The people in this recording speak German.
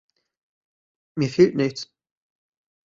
Mir fehlt nichts.